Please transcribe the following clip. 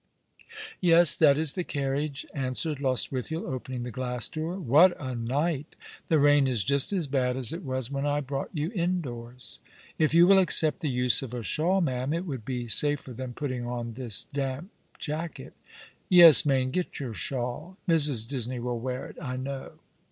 " Yes, that is the carriage," answered Lostwithiel, opening the glass door. " What a night! The rain is just as bad as it was when I brought you indoors." If you will accept the u?e of a shawl, ma'am, it would be safer than putting on this damp jacket." " Yes, Mayne, get your shawl. Mrs. Disney will wear it, I know."